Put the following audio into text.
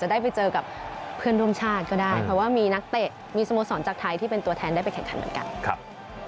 ได้ไปเจอกับเพื่อนร่วมชาติก็ได้เพราะว่ามีนักเตะมีสโมสรจากไทยที่เป็นตัวแทนได้ไปแข่งขันเหมือนกัน